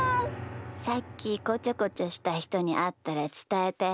さっきこちょこちょしたひとにあったらつたえて。